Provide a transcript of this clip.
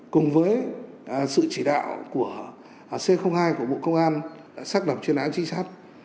cùng với sự chỉ đạo của c hai của bộ công an xác đọc trên án trí sát